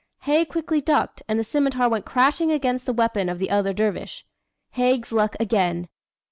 Haig quickly ducked and the scimitar went crashing against the weapon of the other dervish. Haig's luck again!